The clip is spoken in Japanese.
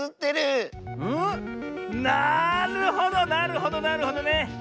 なるほどなるほどなるほどね。